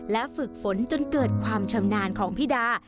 และฝึกฝนจนเกิดความชำนาญของพี่ดา